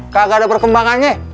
gak ada perkembangannya